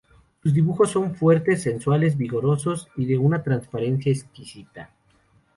Sus dibujos son fuertes, sensuales, vigorosos y de una transparencia exquisita.